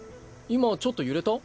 今ちょっと揺れた？